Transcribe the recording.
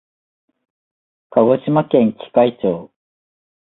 鹿児島県喜界町